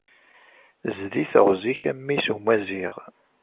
Zdi teɣzi-k a mmi-s n umaziɣ